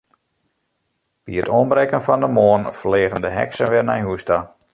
By it oanbrekken fan de moarn fleagen de heksen wer nei hús ta.